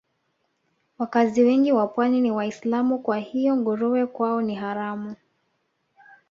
Wakazi wengi wa Pwani ni Waislamu kwa hiyo nguruwe kwao ni haramu